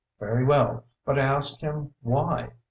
Very well; but I ask him why.